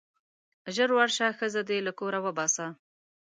ژر ورشه ښځه دې له کوره وباسه.